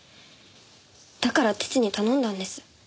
だから父に頼んだんです。